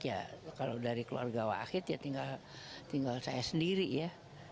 ya kalau dari keluarga wakil ya tinggal saya sendiri ya